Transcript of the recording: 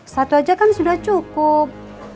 satu aja kan sudah cukup